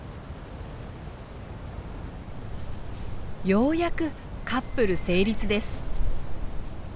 ようやくカップル成立です。